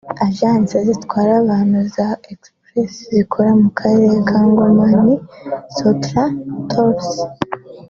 Agence zitwara abantu za Express zikorera mu karere ka Ngoma ni Sotra Tours